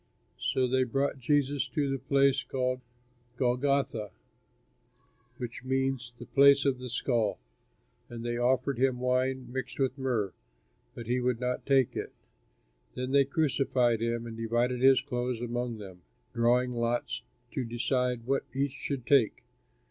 So they brought Jesus to the place called Golgotha, which means, the place of the skull. And they offered him wine mixed with myrrh, but he would not take it. Then they crucified him and divided his clothes among them, drawing lots to decide what each should take.